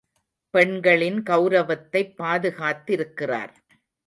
பெண்களின் கெளரவத்தைப் பாதுகாத்திருக்கிறார்.